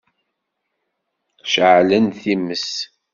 Ceɛlen times.